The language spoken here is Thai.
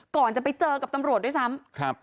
ก่อนจะไปเจอกับตำรวจด้วยซ้ำ